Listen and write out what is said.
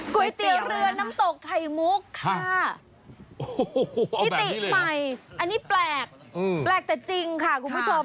ก๋วยเตี๋ยวเรือน้ำตกไข่มุกค่ะโอ้โหมิติใหม่อันนี้แปลกแปลกแต่จริงค่ะคุณผู้ชม